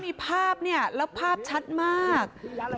มีภาพเนี่ยแล้วภาพชัดมาก